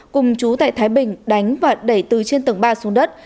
cùng chú tại thái bình đánh và đẩy từ trên tầng ba xuống đất